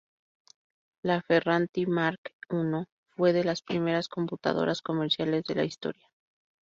La Ferranti Mark I fue de las primeras computadoras comerciales de la historia.